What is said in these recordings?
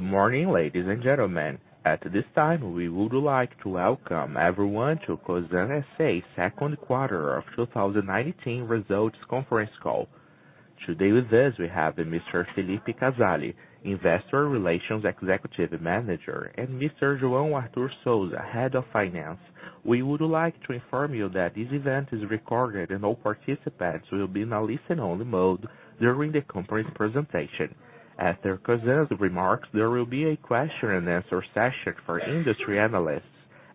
Good morning, ladies and gentlemen. At this time, we would like to welcome everyone to Cosan S.A. second quarter of 2019 results conference call. Today with us we have Mr. Felipe Casali, Investor Relations Executive Manager, and Mr. João Arthur Souza, Head of Finance. We would like to inform you that this event is recorded and all participants will be in a listen-only mode during the company's presentation. After Cosan's remarks, there will be a question and answer session for industry analysts.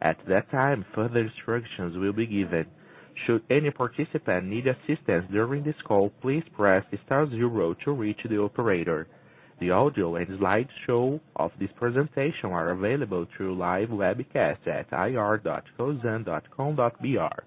At that time, further instructions will be given. Should any participant need assistance during this call, please press star zero to reach the operator. The audio and slideshow of this presentation are available through live webcast at ir.cosan.com.br.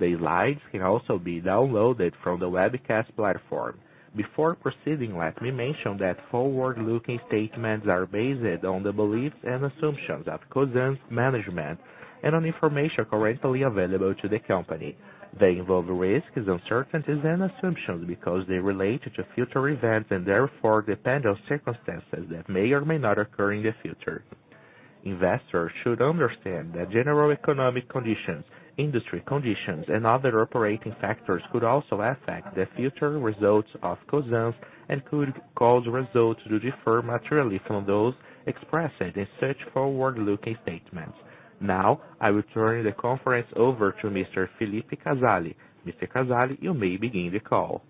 The slides can also be downloaded from the webcast platform. Before proceeding, let me mention that forward-looking statements are based on the beliefs and assumptions of Cosan's management and on information currently available to the company. They involve risks, uncertainties, and assumptions because they relate to future events and therefore depend on circumstances that may or may not occur in the future. Investors should understand that general economic conditions, industry conditions, and other operating factors could also affect the future results of Cosan's and could cause results to differ materially from those expressed in such forward-looking statements. Now, I will turn the conference over to Mr. Felipe Casali. Mr. Casali, you may begin the call.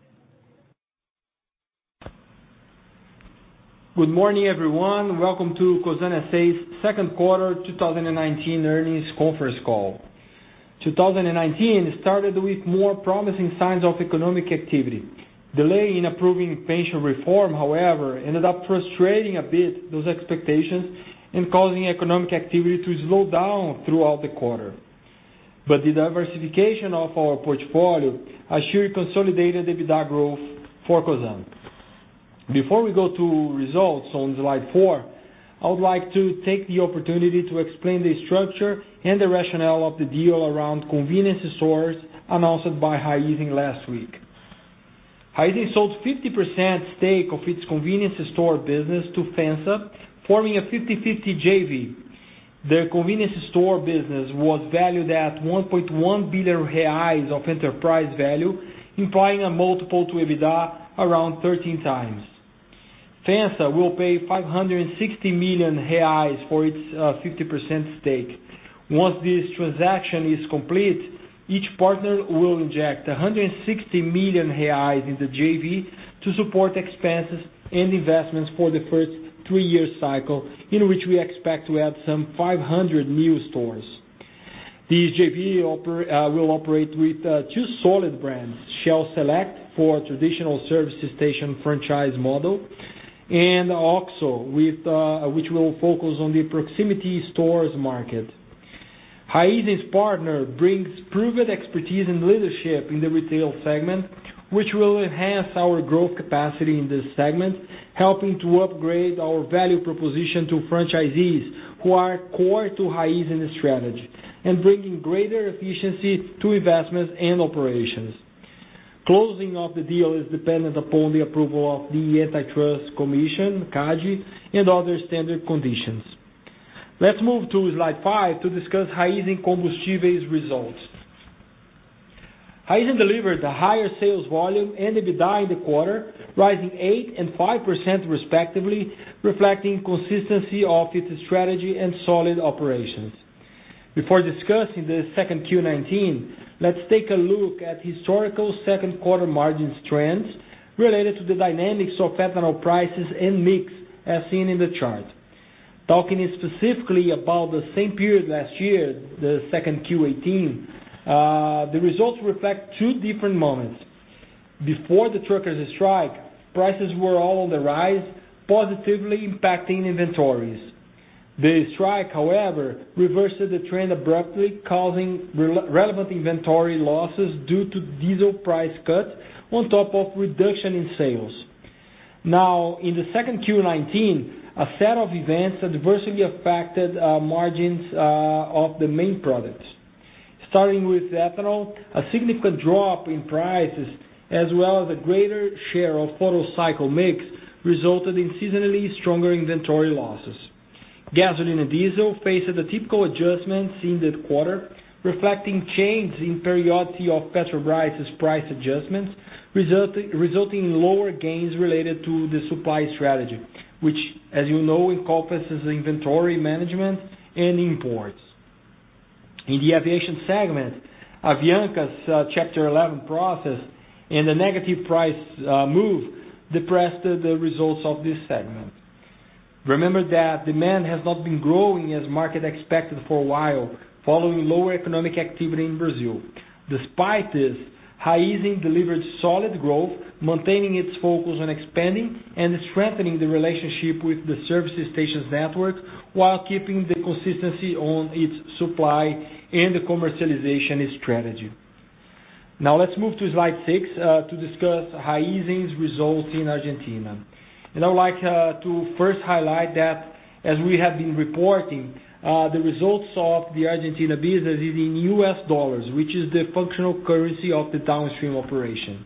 Good morning, everyone. Welcome to Cosan S.A.'s second quarter 2019 earnings conference call. 2019 started with more promising signs of economic activity. Delay in approving pension reform, however, ended up frustrating a bit those expectations and causing economic activity to slow down throughout the quarter. The diversification of our portfolio has sure consolidated the EBITDA growth for Cosan. Before we go to results on slide four, I would like to take the opportunity to explain the structure and the rationale of the deal around convenience stores announced by Raízen last week. Raízen sold 50% stake of its convenience store business to FEMSA, forming a 50/50 JV. The convenience store business was valued at 1.1 billion reais of enterprise value, implying a multiple to EBITDA around 13 times. FEMSA will pay 560 million reais for its 50% stake. Once this transaction is complete, each partner will inject 160 million reais into JV to support expenses and investments for the first three-year cycle in which we expect to add some 500 new stores. This JV will operate with two solid brands, Shell Select for traditional service station franchise model and OXXO, which will focus on the proximity stores market. Raízen's partner brings proven expertise and leadership in the retail segment, which will enhance our growth capacity in this segment, helping to upgrade our value proposition to franchisees who are core to Raízen's strategy and bringing greater efficiency to investments and operations. Closing of the deal is dependent upon the approval of the Antitrust Commission, CADE, and other standard conditions. Let's move to slide five to discuss Raízen Combustíveis results. Raízen delivered a higher sales volume and EBITDA in the quarter, rising 8% and 5% respectively, reflecting consistency of its strategy and solid operations. Before discussing the 2Q19, let's take a look at historical second-quarter margins trends related to the dynamics of ethanol prices and mix, as seen in the chart. Talking specifically about the same period last year, the 2Q18, the results reflect two different moments. Before the truckers' strike, prices were all on the rise, positively impacting inventories. The strike, however, reversed the trend abruptly, causing relevant inventory losses due to diesel price cut on top of reduction in sales. Now, in the 2Q19, a set of events adversely affected margins of the main products. Starting with ethanol, a significant drop in prices as well as a greater share of Otto cycle mix resulted in seasonally stronger inventory losses. Gasoline and diesel faced a typical adjustment seen that quarter, reflecting change in periodicity of Petrobras' price adjustments, resulting in lower gains related to the supply strategy, which as you know, encompasses inventory management and imports. In the aviation segment, Avianca's Chapter 11 process and the negative price move depressed the results of this segment. Remember that demand has not been growing as market expected for a while, following lower economic activity in Brazil. Despite this, Raízen delivered solid growth, maintaining its focus on expanding and strengthening the relationship with the services stations network while keeping the consistency on its supply and the commercialization strategy. Now let's move to slide six to discuss Raízen's results in Argentina. I would like to first highlight that as we have been reporting, the results of the Argentina business is in US dollars, which is the functional currency of the downstream operation.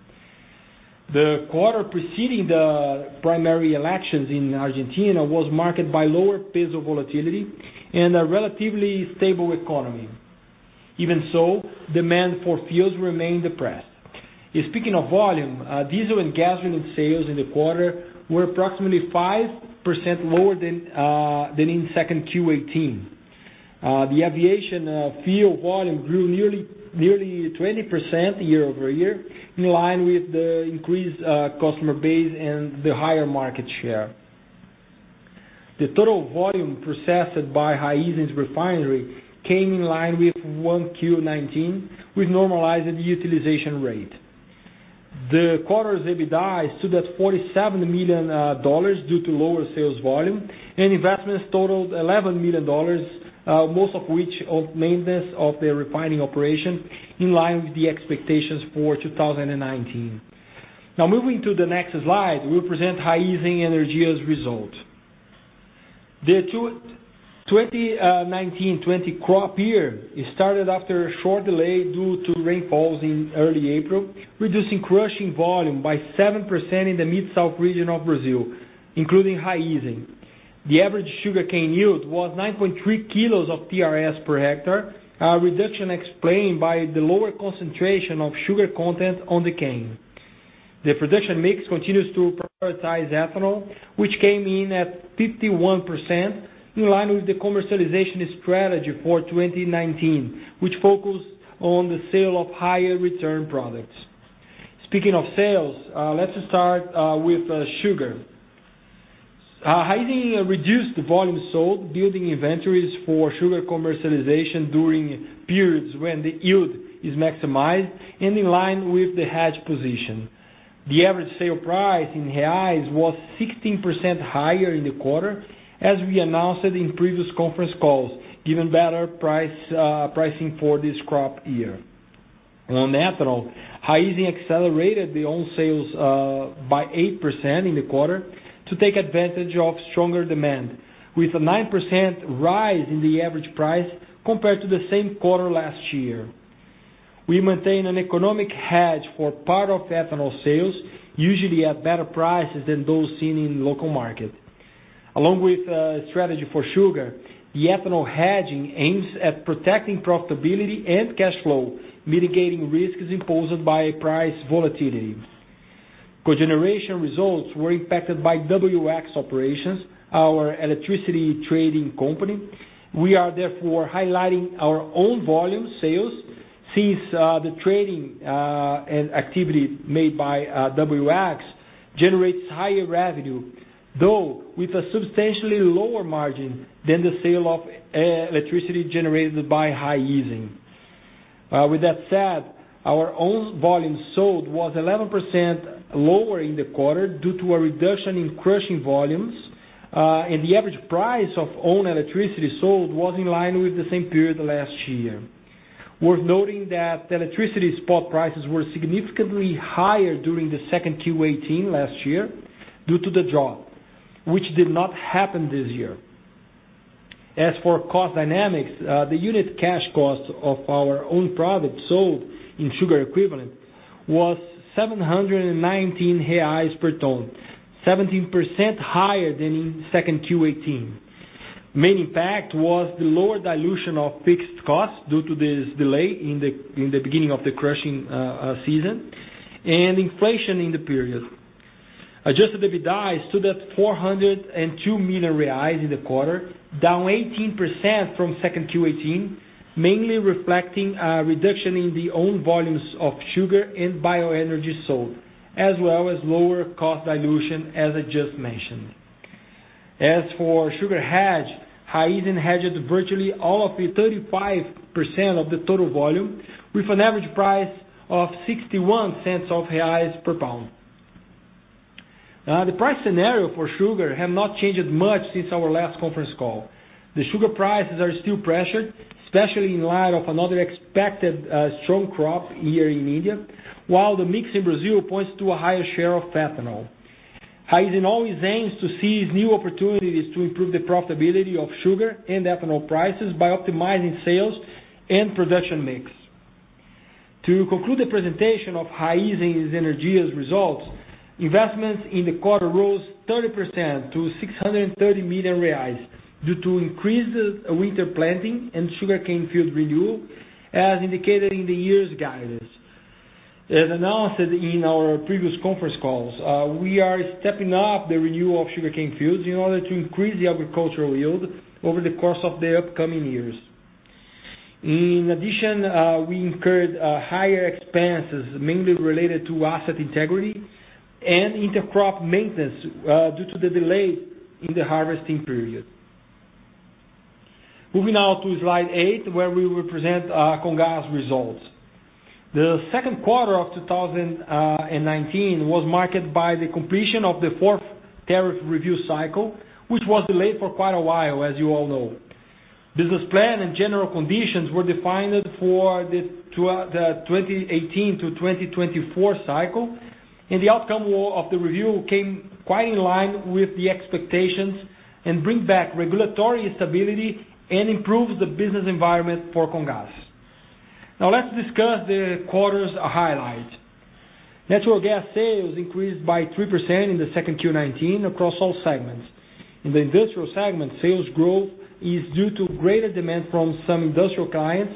The quarter preceding the primary elections in Argentina was marked by lower peso volatility and a relatively stable economy. Even so, demand for fuels remained depressed. Speaking of volume, diesel and gasoline sales in the quarter were approximately 5% lower than in second Q18. The aviation fuel volume grew nearly 20% year-over-year, in line with the increased customer base and the higher market share. The total volume processed by Raízen's refinery came in line with 1Q19, with normalized utilization rate. The quarter's EBITDA stood at $47 million due to lower sales volume, and investments totaled $11 million, most of which of maintenance of the refining operation in line with the expectations for 2019. Now moving to the next slide, we'll present Raízen Energia's result. The 2019/20 crop year started after a short delay due to rainfalls in early April, reducing crushing volume by 7% in the Mid South region of Brazil, including Raízen. The average sugarcane yield was 9.3 kilos of TRS per hectare, a reduction explained by the lower concentration of sugar content on the cane. The production mix continues to prioritize ethanol, which came in at 51%, in line with the commercialization strategy for 2019, which focused on the sale of higher return products. Speaking of sales, let's start with sugar. Raízen reduced the volume sold, building inventories for sugar commercialization during periods when the yield is maximized and in line with the hedge position. The average sale price in BRL was 16% higher in the quarter, as we announced it in previous conference calls, given better pricing for this crop year. On ethanol, Raízen accelerated the own sales by 8% in the quarter to take advantage of stronger demand, with a 9% rise in the average price compared to the same quarter last year. We maintain an economic hedge for part of ethanol sales, usually at better prices than those seen in local market. Along with strategy for sugar, the ethanol hedging aims at protecting profitability and cash flow, mitigating risks imposed by price volatility. Cogeneration results were impacted by WX operations, our electricity trading company. We are therefore highlighting our own volume sales since the trading activity made by WX generates higher revenue, though with a substantially lower margin than the sale of electricity generated by Raízen. With that said, our own volume sold was 11% lower in the quarter due to a reduction in crushing volumes. The average price of own electricity sold was in line with the same period last year. Worth noting that electricity spot prices were significantly higher during the second Q18 last year due to the drought, which did not happen this year. As for cost dynamics, the unit cash cost of our own products sold in sugar equivalent was 719 reais per ton, 17% higher than in second Q18. Main impact was the lower dilution of fixed costs due to this delay in the beginning of the crushing season and inflation in the period. Adjusted EBITDA stood at 402 million reais in the quarter, down 18% from 2Q18, mainly reflecting a reduction in the own volumes of sugar and bioenergy sold, as well as lower cost dilution, as I just mentioned. For sugar hedge, Raízen hedged virtually all of the 35% of the total volume with an average price of 0.61 per pound. The price scenario for sugar have not changed much since our last conference call. The sugar prices are still pressured, especially in light of another expected strong crop year in India, while the mix in Brazil points to a higher share of ethanol. Raízen always aims to seize new opportunities to improve the profitability of sugar and ethanol prices by optimizing sales and production mix. To conclude the presentation of Raízen Energia's results, investments in the quarter rose 30% to 630 million reais due to increased winter planting and sugarcane field renewal, as indicated in the year's guidance. As announced in our previous conference calls, we are stepping up the renewal of sugarcane fields in order to increase the agricultural yield over the course of the upcoming years. We incurred higher expenses, mainly related to asset integrity and intercrop maintenance due to the delay in the harvesting period. Moving now to slide eight, where we will present Comgás results. The second quarter of 2019 was marked by the completion of the fourth tariff review cycle, which was delayed for quite a while, as you all know. Business plan and general conditions were defined for the 2018 to 2024 cycle, and the outcome of the review came quite in line with the expectations and bring back regulatory stability and improves the business environment for Comgás. Now let's discuss the quarter's highlights. Natural gas sales increased by 3% in the second Q19 across all segments. In the industrial segment, sales growth is due to greater demand from some industrial clients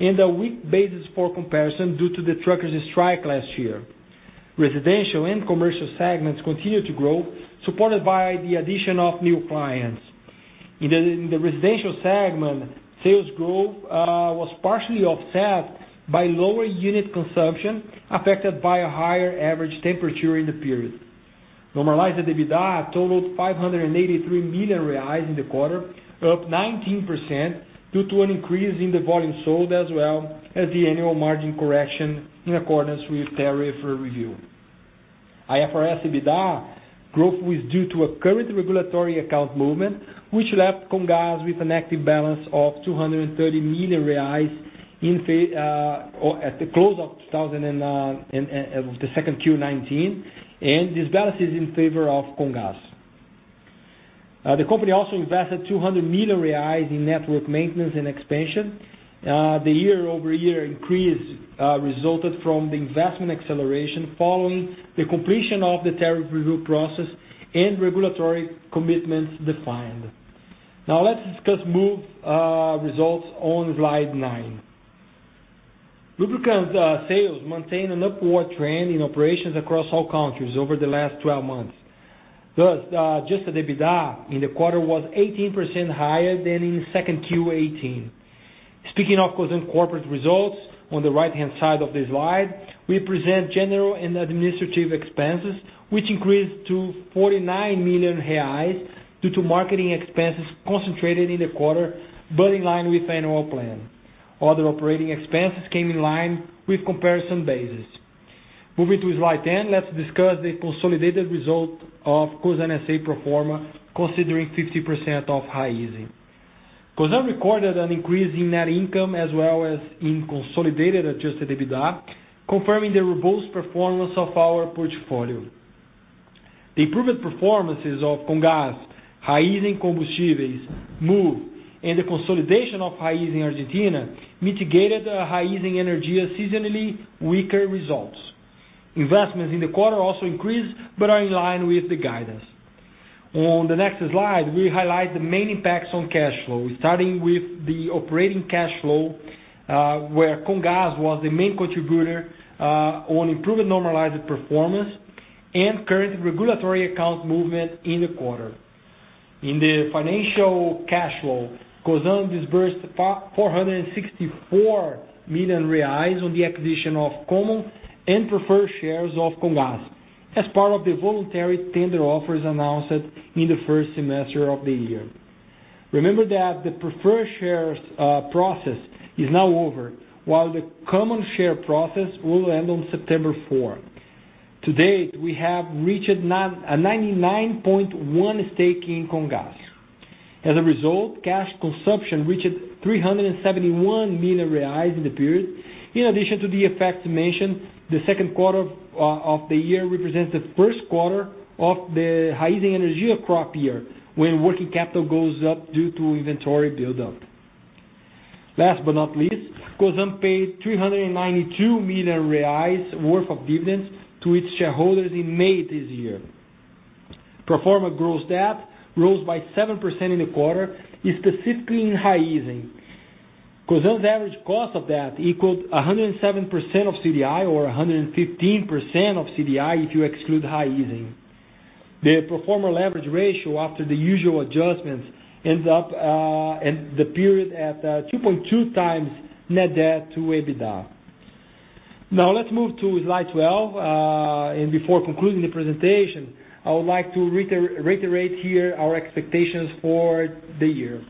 and a weak basis for comparison due to the truckers' strike last year. Residential and commercial segments continued to grow, supported by the addition of new clients. In the residential segment, sales growth was partially offset by lower unit consumption, affected by a higher average temperature in the period. Normalized EBITDA totaled 583 million reais in the quarter, up 19% due to an increase in the volume sold, as well as the annual margin correction in accordance with tariff review. IFRS EBITDA growth was due to a current regulatory account movement, which left Comgás with an active balance of 230 million reais at the close of the second Q19, and this balance is in favor of Comgás. The company also invested 200 million reais in network maintenance and expansion. The year-over-year increase resulted from the investment acceleration following the completion of the tariff review process and regulatory commitments defined. Let's discuss Moove results on slide nine. Lubricant sales maintain an upward trend in operations across all countries over the last 12 months. Adjusted EBITDA in the quarter was 18% higher than in second Q18. Speaking of Cosan corporate results, on the right-hand side of the slide, we present general and administrative expenses, which increased to 49 million reais due to marketing expenses concentrated in the quarter but in line with annual plan. Other operating expenses came in line with comparison basis. Moving to slide 10, let's discuss the consolidated result of Cosan S.A. pro forma, considering 50% of Raízen. Cosan recorded an increase in net income as well as in consolidated adjusted EBITDA, confirming the robust performance of our portfolio. The improved performances of Comgás, Raízen Combustíveis, Moove, and the consolidation of Raízen Argentina mitigated Raízen Energia's seasonally weaker results. Investments in the quarter also increased but are in line with the guidance. On the next slide, we highlight the main impacts on cash flow, starting with the operating cash flow, where Comgás was the main contributor on improved normalized performance and current regulatory accounts movement in the quarter. In the financial cash flow, Cosan disbursed 464 million reais on the acquisition of common and preferred shares of Comgás as part of the voluntary tender offers announced in the first semester of the year. Remember that the preferred shares process is now over, while the common share process will end on September 4. To date, we have reached a 99.1 stake in Comgás. As a result, cash consumption reached 371 million reais in the period. In addition to the effects mentioned, the second quarter of the year represents the first quarter of the Raízen Energia crop year, when working capital goes up due to inventory buildup. Last but not least, Cosan paid 392 million reais worth of dividends to its shareholders in May this year. Pro forma gross debt rose by 7% in the quarter, specifically in Raízen. Cosan's average cost of debt equaled 107% of CDI, or 115% of CDI if you exclude Raízen. The pro forma leverage ratio after the usual adjustments ends up in the period at 2.2 times net debt to EBITDA. Now let's move to slide 12. Before concluding the presentation, I would like to reiterate here our expectations for the year.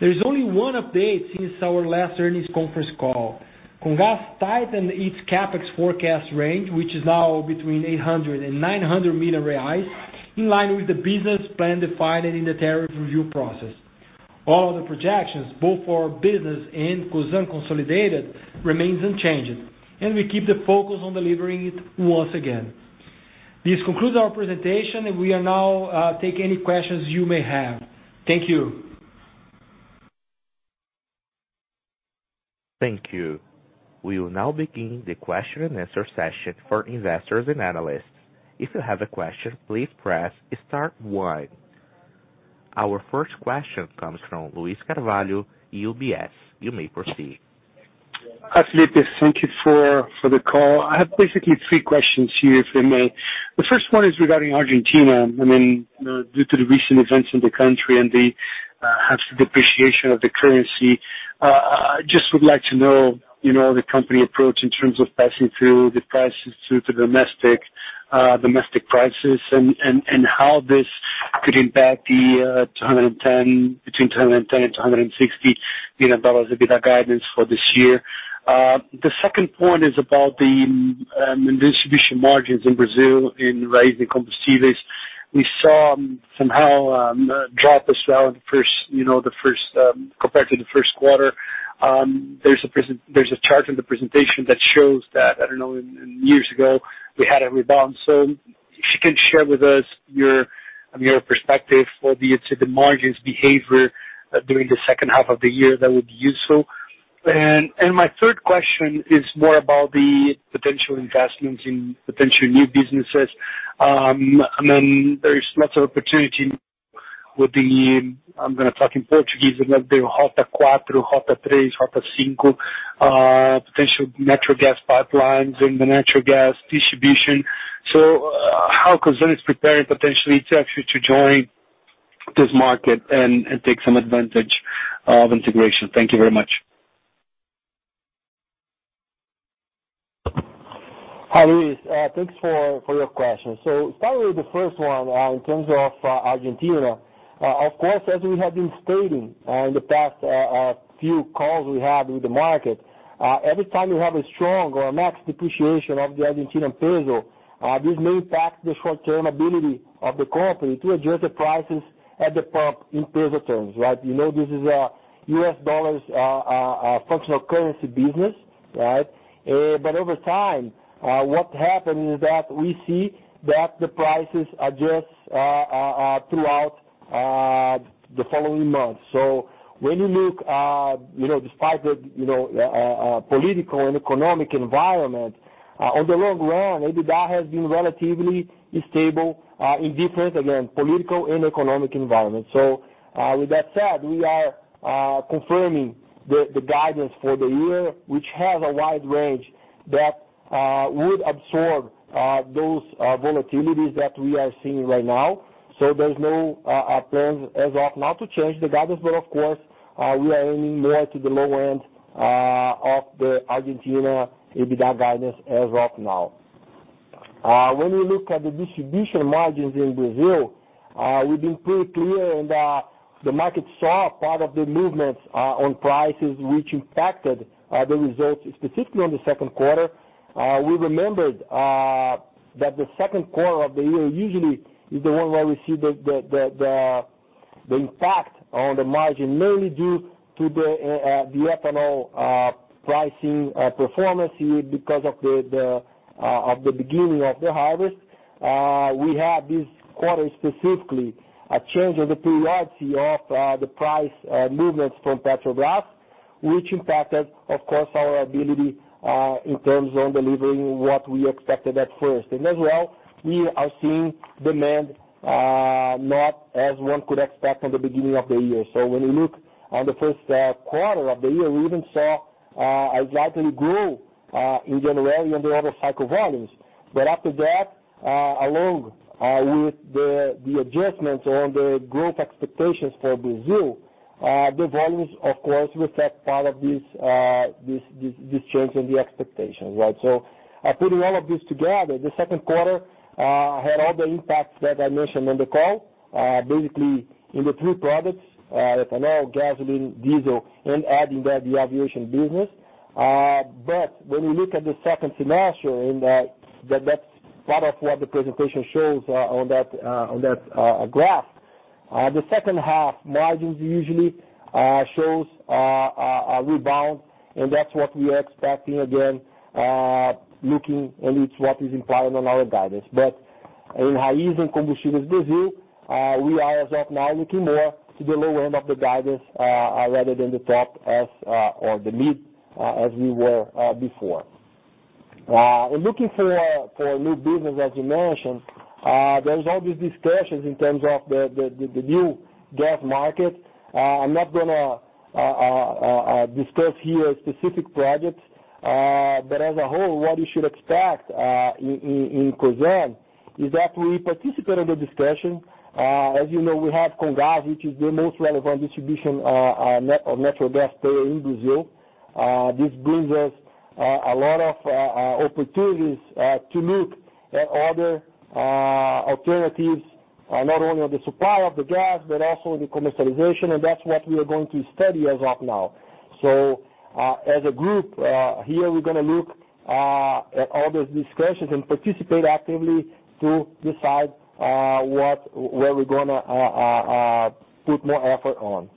There is only one update since our last earnings conference call. Comgás tightened its CapEx forecast range, which is now between 800 million reais and 900 million, in line with the business plan defined in the tariff review process. All other projections, both for our business and Cosan consolidated, remains unchanged, and we keep the focus on delivering it once again. This concludes our presentation, and we will now take any questions you may have. Thank you. Thank you. We will now begin the question and answer session for investors and analysts. If you have a question, please press star one. Our first question comes from Luiz Carvalho, UBS. You may proceed. Hi, Felipe. Thank you for the call. I have basically three questions here, if I may. The first one is regarding Argentina. Due to the recent events in the country and the, perhaps, depreciation of the currency, I just would like to know the company approach in terms of passing through the prices due to domestic prices and how this could impact between $210 billion and $260 billion EBITDA guidance for this year. The second point is about the distribution margins in Brazil in Raízen Combustíveis. We saw somehow a drop as well compared to the first quarter. There's a chart in the presentation that shows that, I don't know, years ago, we had a rebound. If you can share with us your perspective, albeit the margins behavior during the second half of the year, that would be useful. My third question is more about the potential investments in potential new businesses. There is lots of opportunity with the, I am going to talk in Portuguese, potential natural gas pipelines and the natural gas distribution. How Cosan is preparing potentially to actually to join this market and take some advantage of integration. Thank you very much. Hi, Luiz. Thanks for your question. Starting with the first one, in terms of Argentina, of course, as we have been stating in the past few calls we had with the market, every time we have a strong or max depreciation of the Argentinian peso, this may impact the short-term ability of the company to adjust the prices at the pump in peso terms, right? This is a U.S. dollars functional currency business, right? Over time, what happened is that we see that the prices adjust throughout the following month. When you look despite the political and economic environment, on the long run, EBITDA has been relatively stable, indifferent, again, political and economic environment. With that said, we are confirming the guidance for the year, which has a wide range that would absorb those volatilities that we are seeing right now. There's no plans as of now to change the guidance, but of course, we are aiming more to the low end of the Argentina EBITDA guidance as of now. When we look at the distribution margins in Brazil, we've been pretty clear and the market saw part of the movements on prices which impacted the results specifically on the second quarter. We remembered that the second quarter of the year usually is the one where we see the impact on the margin, mainly due to the ethanol pricing performance here because of the beginning of the harvest. We had this quarter specifically, a change of the priority of the price movements from Petrobras, which impacted, of course, our ability, in terms of delivering what we expected at first. As well, we are seeing demand not as one could expect at the beginning of the year. When we look on the first quarter of the year, we even saw a likely growth in January on the Otto cycle volumes. After that, along with the adjustments on the growth expectations for Brazil, the volumes, of course, reflect part of this change in the expectation. Putting all of this together, the second quarter had all the impacts that I mentioned on the call, basically in the three products, ethanol, gasoline, diesel, and adding that the aviation business. When we look at the second semester and that's part of what the presentation shows on that graph. The second half margins usually shows a rebound, and that's what we are expecting again, looking and it's what is implied on our guidance. In Raízen Combustíveis Brasil, we are as of now looking more to the low end of the guidance, rather than the top or the mid, as we were before. In looking for a new business, as you mentioned, there's always discussions in terms of the new gas market. I'm not going to discuss here specific projects. As a whole, what you should expect in Cosan is that we participate in the discussion. As you know, we have Comgás, which is the most relevant distribution of natural gas player in Brazil. This brings us a lot of opportunities to look at other alternatives, not only on the supply of the gas, but also the commercialization. That's what we are going to study as of now. As a group, here, we're going to look at all those discussions and participate actively to decide where we're going to put more effort on.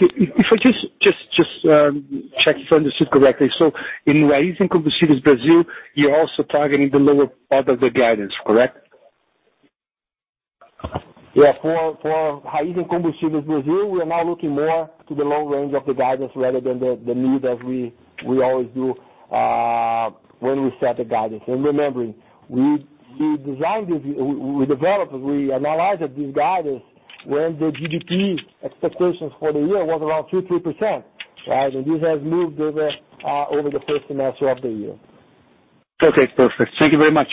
Thank you. If I just check if I understood correctly. In Raízen Combustíveis Brasil, you're also targeting the lower part of the guidance, correct? Yeah. For Raízen Combustíveis Brasil, we're now looking more to the low range of the guidance rather than the mid as we always do when we set the guidance. Remembering, we designed this, we developed, we analyzed this guidance when the GDP expectations for the year was around 2%-3%, right? This has moved over the first semester of the year. Okay, perfect. Thank you very much.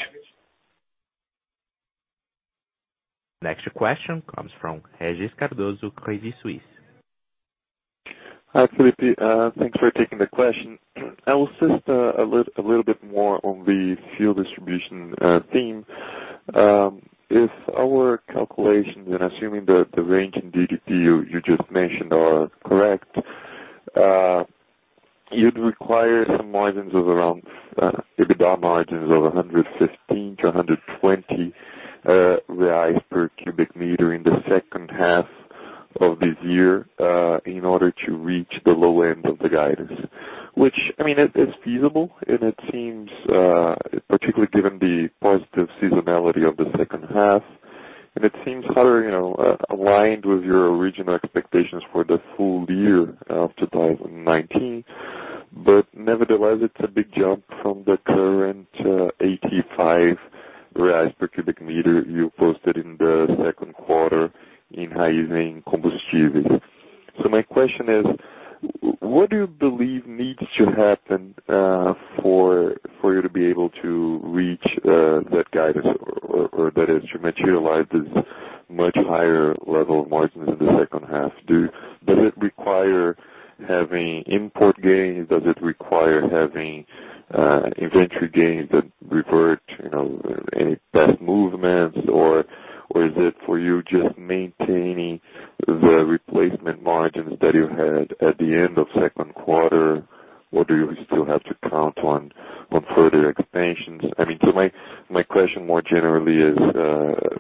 Next question comes from Regis Cardoso, Credit Suisse. Hi, Felipe. Thanks for taking the question. I will assist a little bit more on the fuel distribution theme. If our calculations and assuming that the range in GDP you just mentioned are correct, you'd require some margins of around, EBITDA margins of 115-120 reais per cubic meter in the second half of this year, in order to reach the low end of the guidance. It is feasible, and it seems, particularly given the positive seasonality of the second half, and it seems rather aligned with your original expectations for the full year of 2019. Nevertheless, it's a big jump from the current 85 reais per cubic meter you posted in the second quarter in Raízen Combustíveis. My question is: What do you believe needs to happen for you to be able to reach that guidance, or that is, to materialize this much higher level of margins in the second half? Does it require having import gains? Does it require having inventory gains that revert any past movements? Is it for you, just maintaining the replacement margins that you had at the end of second quarter? Do you still have to count on further expansions? My question more generally is: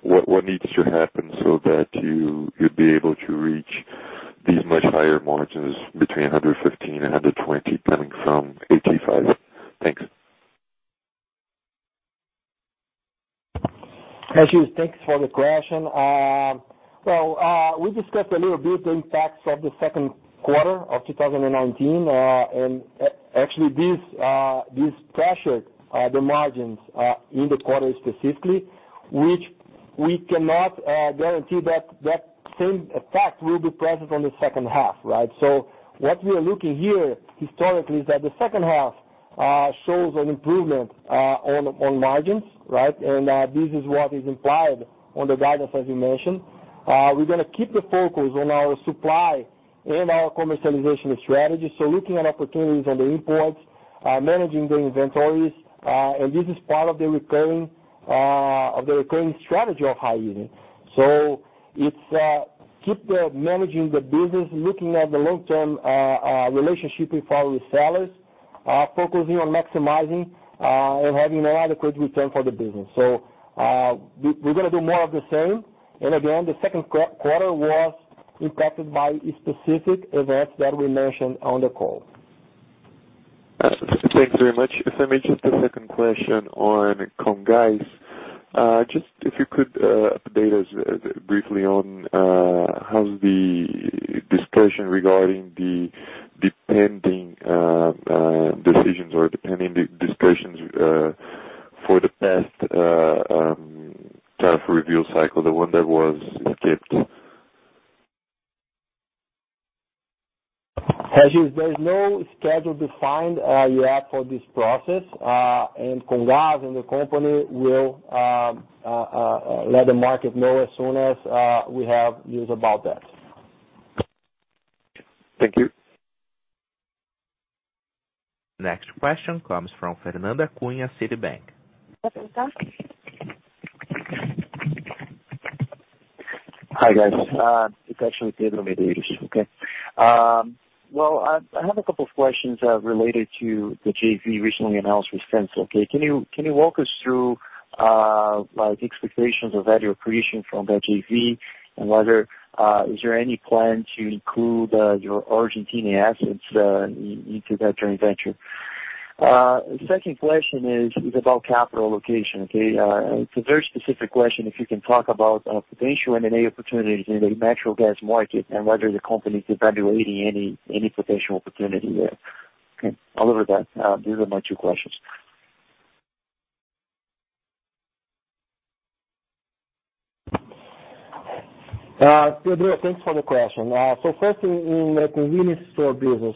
What needs to happen so that you'd be able to reach these much higher margins between 115 and 120, coming from 85? Thanks. Regis, thanks for the question. We discussed a little bit the impacts of the second quarter of 2019, and actually this pressured the margins in the quarter specifically, which we cannot guarantee that same effect will be present on the second half. Right? What we are looking here historically is that the second half shows an improvement on margins. Right? This is what is implied on the guidance, as you mentioned. We're going to keep the focus on our supply and our commercialization strategy. Looking at opportunities on the imports, managing the inventories, and this is part of the recurring strategy of Raízen. It's keep managing the business, looking at the long-term relationship with our resellers, focusing on maximizing, and having an adequate return for the business. We're going to do more of the same. Again, the second quarter was impacted by specific events that we mentioned on the call. Absolutely. Thanks very much. If I may, just a second question on Comgás. Just if you could update us briefly on how's the discussion regarding the pending decisions or pending discussions for the past tariff review cycle, the one that was skipped. Regis, there is no schedule defined yet for this process. Comgás and the company will let the market know as soon as we have news about that. Thank you. Next question comes from Fernanda Cunha, Citibank. Hi, guys. It's actually Pedro Medeiros, okay? Well, I have a couple of questions related to the JV recently announced with FEMSA. Okay? Can you walk us through the expectations of value creation from that JV and is there any plan to include your Argentine assets into that joint venture? Second question is about capital allocation. Okay? It's a very specific question, if you can talk about potential M&A opportunities in the natural gas market and whether the company is evaluating any potential opportunity there. Okay. Other than that, these are my two questions. Pedro, thanks for the question. First, in the convenience store business.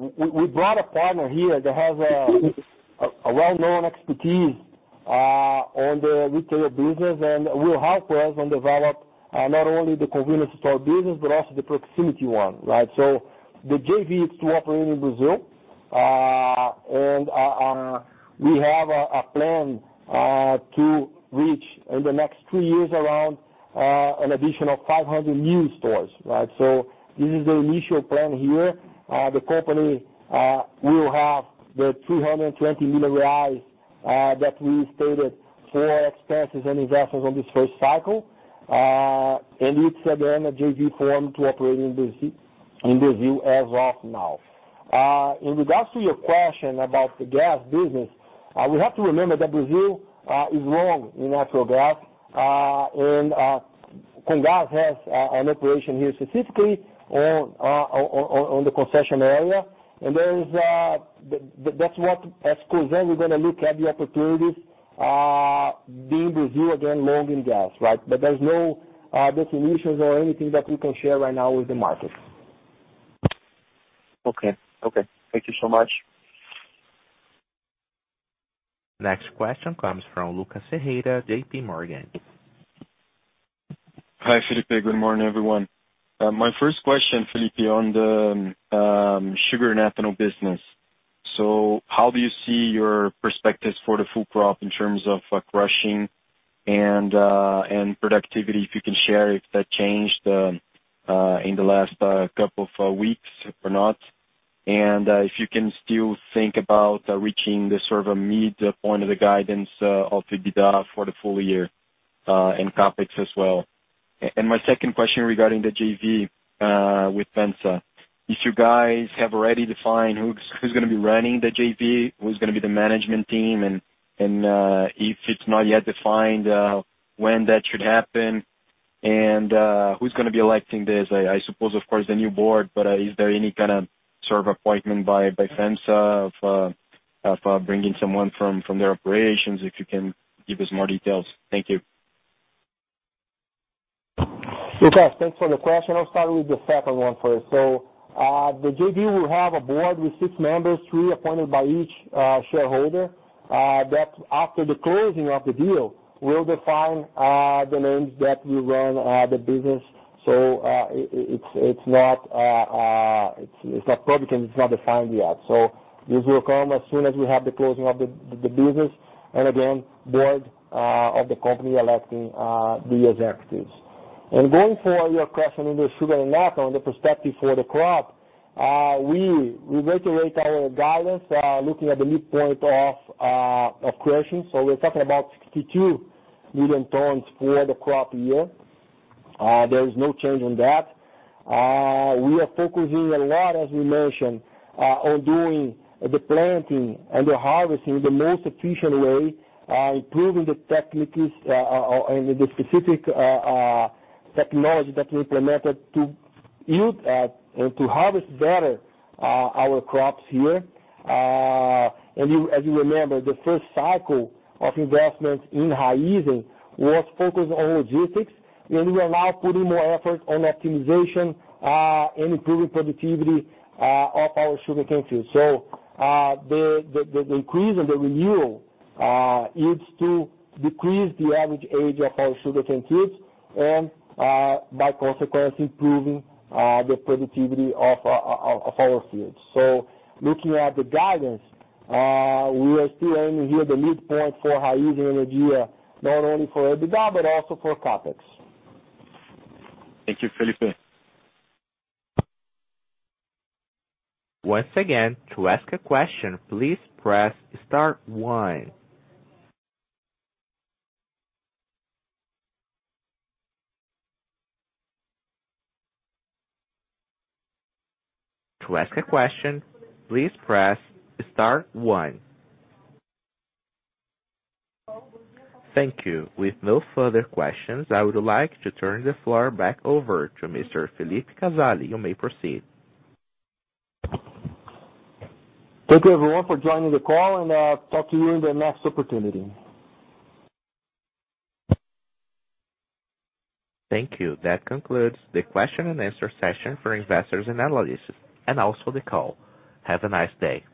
We brought a partner here that has a well-known expertise on the retail business and will help us and develop, not only the convenience store business, but also the proximity one. Right? The JV is to operate in Brazil. We have a plan to reach, in the next three years, around an additional 500 new stores. Right? This is the initial plan here. The company will have the 320 million reais that we stated for expenses and investments on this first cycle. It's, again, a JV formed to operate in Brazil as of now. In regards to your question about the gas business, we have to remember that Brazil is long in natural gas. Comgás has an operation here specifically on the concession area. That's what, as Cosan, we're going to look at the opportunities being Brazil, again, long in gas. Right? There's no definitions or anything that we can share right now with the market. Okay. Thank you so much. Next question comes from Lucas Ferreira, J.P. Morgan. Hi, Felipe. Good morning, everyone. My first question, Felipe, on the sugar and ethanol business. How do you see your perspectives for the full crop in terms of crushing and productivity? If you can share if that changed in the last couple of weeks or not? If you can still think about reaching the sort of midpoint of the guidance of EBITDA for the full year, and CapEx as well. My second question regarding the JV with FEMSA, if you guys have already defined who's going to be running the JV, who's going to be the management team, and, if it's not yet defined, when that should happen and who's going to be electing this? I suppose, of course, the new board, but is there any kind of appointment by FEMSA of bringing someone from their operations? If you can give us more details. Thank you. Okay. Thanks for the question. I'll start with the second one first. The JV will have a board with six members, three appointed by each shareholder that, after the closing of the deal, will define the names that will run the business. It's not public, and it's not defined yet. This will come as soon as we have the closing of the business. Again, board of the company electing the executives. For your question in the sugar and alcohol and the perspective for the crop, we reiterate our guidance looking at the midpoint of creation. We're talking about 62 million tons for the crop year. There is no change in that. We are focusing a lot, as we mentioned, on doing the planting and the harvesting in the most efficient way, improving the techniques and the specific technology that we implemented to yield at, and to harvest better our crops here. As you remember, the first cycle of investments in Raízen was focused on logistics, and we are now putting more effort on optimization and improving productivity of our sugarcane fields. The increase and the renewal is to decrease the average age of our sugarcane fields and, by consequence, improving the productivity of our fields. Looking at the guidance, we are still aiming here the midpoint for Raízen Energia, not only for EBITDA but also for CapEx. Thank you, Felipe. Once again, to ask a question, please press star one. To ask a question, please press star one. Thank you. With no further questions, I would like to turn the floor back over to Mr. Felipe Casali. You may proceed. Thank you, everyone, for joining the call, and I'll talk to you in the next opportunity. Thank you. That concludes the question and answer session for investors and analysts, and also the call. Have a nice day.